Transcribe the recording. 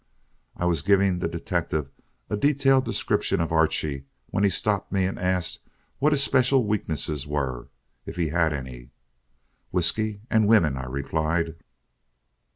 I was giving the detective a detailed description of Archie, when he stopped me and asked what his special weaknesses were, if he had any. "Whiskey and women," I replied.